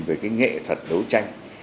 với cái nghệ thuật đấu tranh